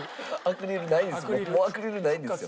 アクリルないんですよ。